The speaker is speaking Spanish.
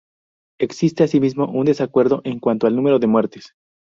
Existe asimismo un desacuerdo en cuanto al número de muertes.